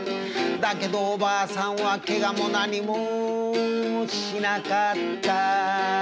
「だけどおばあさんはけがも何もしなかった」